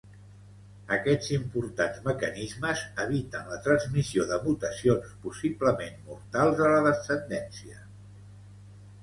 Aquests importants mecanismes eviten la transmissió de mutacions possiblement mortals a la descendència.